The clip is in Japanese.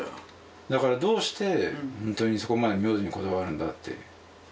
だからどうしてほんとにそこまで名字にこだわるんだって。